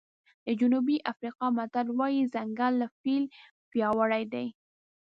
د جنوبي افریقا متل وایي ځنګل له فیل پیاوړی دی.